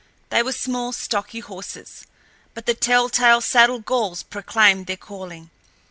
They were small, stocky horses, but the telltale saddle galls proclaimed their calling.